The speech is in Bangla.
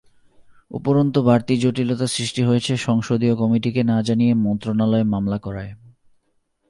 উপরন্তু বাড়তি জটিলতা সৃষ্টি হয়েছে সংসদীয় কমিটিকে না জানিয়ে মন্ত্রণালয় মামলা করায়।